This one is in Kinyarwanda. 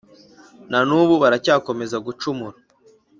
Na n’ubu baracyakomeza gucumura: